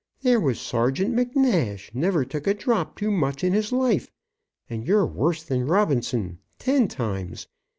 There was Sergeant MacNash never took a drop too much in his life. And you're worse than Robinson ten times.